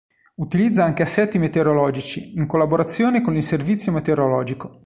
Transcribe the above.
Utilizza anche assetti meteorologici, in collaborazione con il Servizio meteorologico.